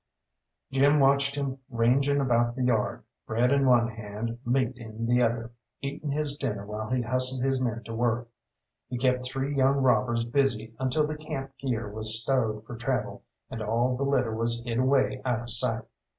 Jim watched him ranging about the yard, bread in one hand, meat in the other, eating his dinner while he hustled his men to work. He kept three young robbers busy until the camp gear was stowed for travel, and all the litter was hid away out of sight.